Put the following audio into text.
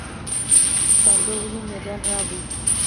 تکواندو ولې مډال راوړ؟